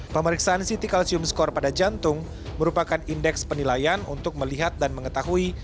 pemeriksaan ct calcium skor pada jantung merupakan indeks penilaian untuk melihat dan mengetahui